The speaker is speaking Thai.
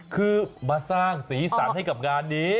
คือมาสร้างสีสันให้กับงานนี้